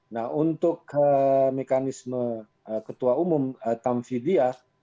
nah untuk mekanisme ketua umum tamfidiah